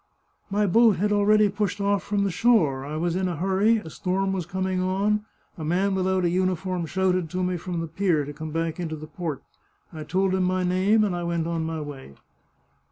" My boat had already pushed oflf from the shore, I was in a hurry, a storm was coming on, a man without a uniform shouted to me from the pier to come back into the port. I told him my name, and I went on my way."